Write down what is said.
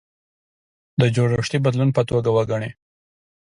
د جوړښتي بدلون په توګه وګڼي.